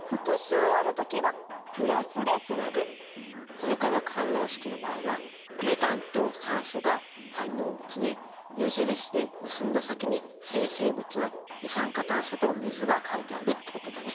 この化学反応式の場合はメタンと酸素が反応物で矢印で結んだ先に生成物の二酸化炭素と水が書いてあるってことだね。